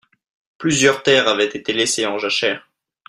Plusieurs terres avaient été laisser en jachère.